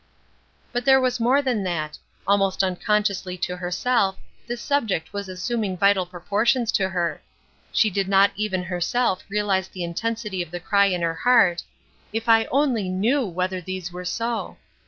But there was more than that; almost unconsciously to herself this subject was assuming vital proportions to her; she did not even herself realize the intensity of the cry in her heart, "If I only knew whether these were so!"